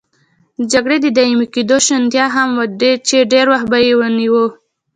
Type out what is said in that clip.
د جګړې د دایمي کېدو شونتیا هم وه چې ډېر وخت به یې نیوه.